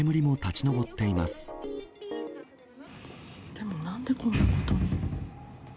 でも、なんでこんなことに。